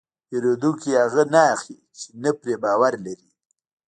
پیرودونکی هغه نه اخلي چې نه پرې باور لري.